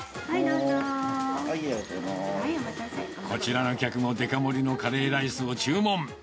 こちらの客もデカ盛りのカレーライスを注文。